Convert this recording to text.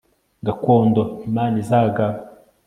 gakondo imana izagaba